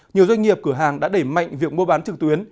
nhiều doanh nghiệp cửa hàng đã đẩy mạnh việc mua bán trực tuyến